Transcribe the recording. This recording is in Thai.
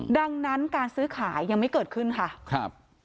ดังนั้นการซื้อขายยังไม่เกิดขึ้นค่ะครับ